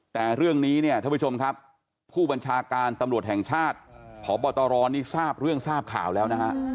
แต่เรื่องนี้เนี่ยท่านผู้ชมครับผู้บัญชาการตำรวจแห่งชาติพบตรนี่ทราบเรื่องทราบข่าวแล้วนะฮะ